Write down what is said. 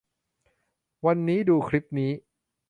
วันนี้ดูคลิปนี้